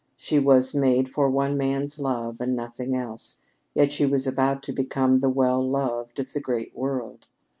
She was made for one man's love and nothing else, yet she was about to become the well loved of the great world!